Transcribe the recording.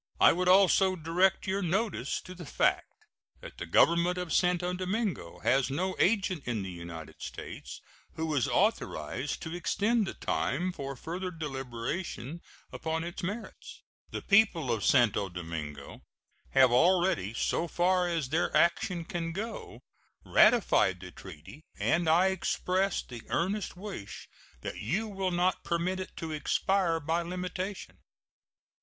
I would also direct your notice to the fact that the Government of St. Domingo has no agent in the United States who is authorized to extend the time for further deliberation upon its merits. The people of St. Domingo have already, so far as their action can go, ratified the treaty, and I express the earnest wish that you will not permit it to expire by limitation.